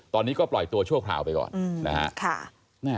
ตอนนี้ก็ปล่อยตัวชั่วคราวไปก่อนนะฮะ